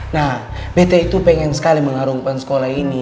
nah bete itu pengen sekali mengarungkan sekolah ini